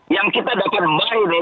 yang kita dapat buy nih